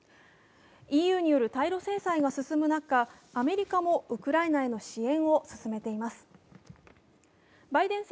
ＥＵによる対ロ制裁が進む中、アメリカもウクライナへの支援を強めています。